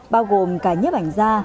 bao gồm cả nhếp ảnh da